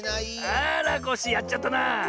あらコッシーやっちゃったな！